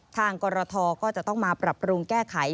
กรทก็จะต้องมาปรับปรุงแก้ไข